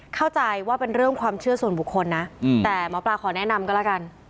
เข้าใจว่าเป็นเรื่องความเชื่อส่วนบุคคลนะแต่หมอปลาขอแนะนำก็แล้วกัน